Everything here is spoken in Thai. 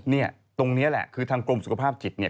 เนี่ยตรงนี้แหละคือทางกรมสุขภาพจิตเนี่ย